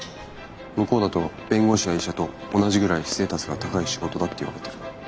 向こうだと弁護士や医者と同じぐらいステータスが高い仕事だっていわれてる。